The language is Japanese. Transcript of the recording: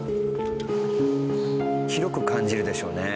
広く感じるでしょうね。